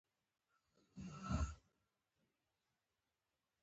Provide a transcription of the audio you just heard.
دا خبره مې ور غبرګه کړه که ته راسره ځې لاړ به شو.